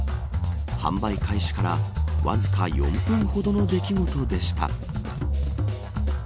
販売開始から、わずか４分ほどの出来事でした。